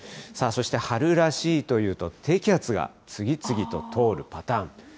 そして春らしいというと、低気圧が次々と通るパターン。